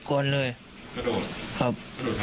ครับ